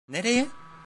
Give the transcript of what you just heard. Nereye?